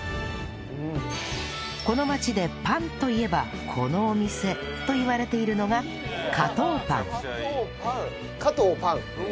この町でパンといえばこのお店といわれているのが加藤パン加藤パン。